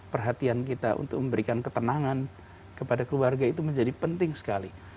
perhatian kita untuk memberikan ketenangan kepada keluarga itu menjadi penting sekali